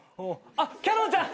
こっちキャノンちゃん。